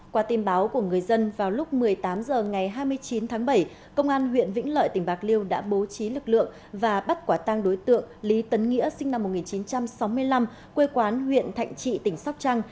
qua tin báo của người dân vào lúc một mươi tám h ngày hai mươi chín tháng bảy công an huyện vĩnh lợi tỉnh bạc liêu đã bố trí lực lượng và bắt quả tăng đối tượng lý tấn nghĩa sinh năm một nghìn chín trăm sáu mươi năm quê quán huyện thạnh trị tỉnh sóc trăng